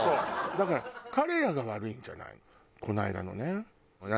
だから彼らが悪いんじゃないのよこの間のね。